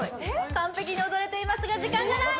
完璧に踊れてますが時間がない！